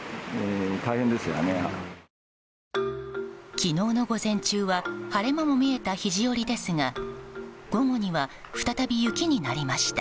昨日の午前中は晴れ間も見えた肘折ですが午後には再び雪になりました。